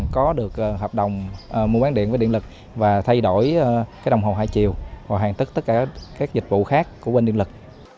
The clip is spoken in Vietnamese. có được hợp đồng mua bán điện với điện lực và thay đổi cái đồng hồ hai chiều và hoàn tất tất cả các dịch vụ khác của bên điện lực